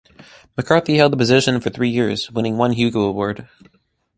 McCarthy held the position for three years, winning one Hugo award.